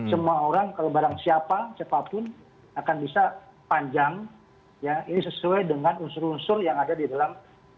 semua orang kalau barang siapa siapapun akan bisa panjang ya ini sesuai dengan unsur unsur yang ada di dalam